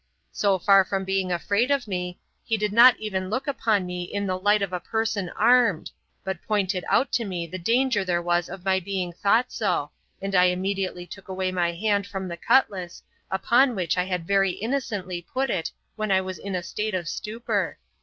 So far from being afraid of me, he did not even look upon me in the light of a person armed, but pointed out to me the danger there was of my being thought so, and I immediately took away my hand from the cutlass, upon which I had very innocently put it when I was in a state of stupor.